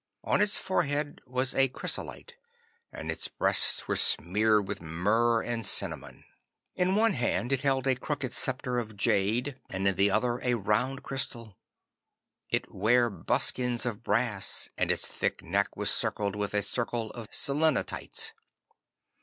On its forehead was a chrysolite, and its breasts were smeared with myrrh and cinnamon. In one hand it held a crooked sceptre of jade, and in the other a round crystal. It ware buskins of brass, and its thick neck was circled with a circle of selenites.